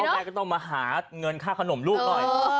พ่อแม่ก็ต้องมาหาเงินค่าขนมลูกด้วย